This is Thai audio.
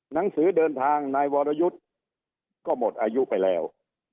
หนังสือเดินทางนายวรยุทธ์ก็หมดอายุไปแล้ว